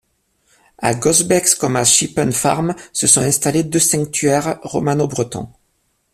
À Gosbecks comme à Sheepen Farm se sont installés deux sanctuaires romano-bretons.